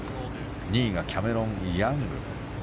２位がキャメロン・ヤング。